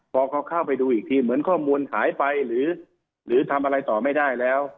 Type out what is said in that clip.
พอเขาเข้าไปดูอีกทีเหมือนข้อมูลหายไปหรือทำอะไรต่อไม่ได้แล้ว